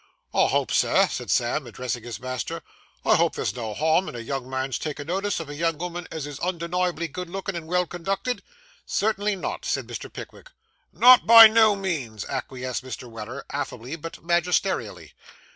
'I hope, Sir,' said Sam, addressing his master, 'I hope there's no harm in a young man takin' notice of a young 'ooman as is undeniably good looking and well conducted.' 'Certainly not,' said Mr. Pickwick. 'Not by no means,' acquiesced Mr. Weller, affably but magisterially.